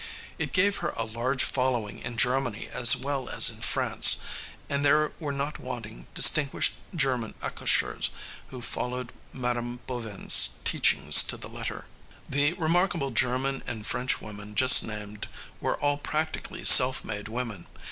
It gave her a large following in Germany as well as in France, and there were not wanting distinguished German accoucheurs who followed Mme. Bovin's teachings to the letter. The remarkable German and French women just named were all practically self made women.